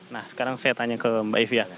nah sekarang saya tanya ke mbak ify ya